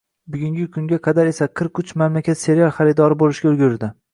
Bugungi kunga qadar esa qirq uch mamlakat serial haridori bo‘lishga ulgurdi.